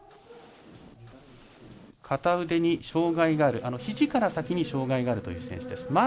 片腕に障がいがあるひじから先に障がいがあるという選手です。